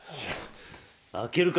開けるか！？